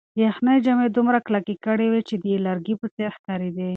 یخنۍ جامې دومره کلکې کړې وې چې د لرګي په څېر ښکارېدې.